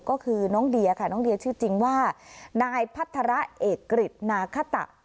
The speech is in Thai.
ก็คือน้องเดียค่ะน้องเดียชื่อจริงว่านายพัฒระเอกกฤษนาคตะ